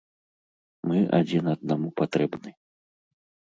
Мы адзін аднаму патрэбны.